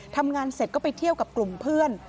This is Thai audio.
ทำงานเสร็จก็ไปเที่ยวกับกลุ่มเพื่อน